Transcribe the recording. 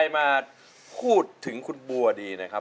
มาพูดถึงคุณบัวดีนะครับ